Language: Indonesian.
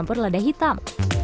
campur lada hitam